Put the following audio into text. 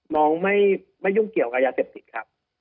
น้องไม่ยุ่งเกี่ยวกับยาเสพติดครับ